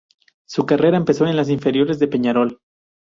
Su carrera empezó en las inferiores de Peñarol.